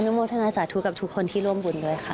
โมทนาสาธุกับทุกคนที่ร่วมบุญด้วยค่ะ